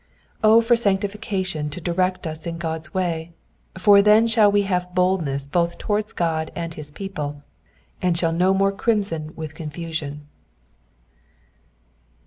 O for sanctification to direct us in God^s way, for then shall we have boldness both towards God and his people, and shall no more crimson with confusion.